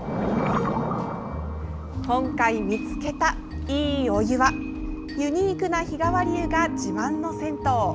今回見つけた、いいお湯はユニークな日替わり湯が自慢の銭湯。